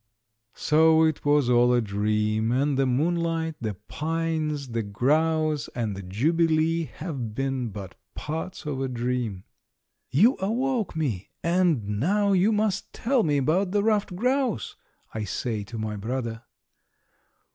So it was all a dream, and the moonlight, the pines, the grouse and the jubilee have been but parts of a dream! "You awoke me and now you must tell me about the ruffed grouse," I say to my brother.